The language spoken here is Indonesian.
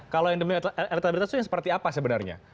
kalau yang demi elektabilitas itu yang seperti apa sebenarnya